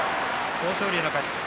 豊昇龍の勝ち。